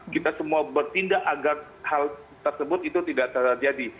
kita semua bertindak agar hal tersebut itu tidak terjadi